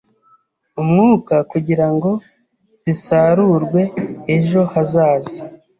umwuka kugirango zisarurwe ejo hazaza.